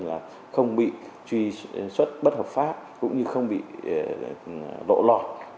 là không bị truy xuất bất hợp pháp cũng như không bị lộ lọt